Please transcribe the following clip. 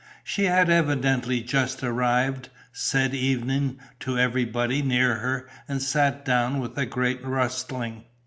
She had evidently just arrived, said "Evening" to everybody near her and sat down with a great rustling.